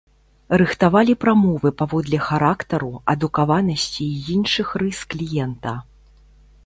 Рыхтавалі прамовы паводле характару, адукаванасці і іншых рыс кліента.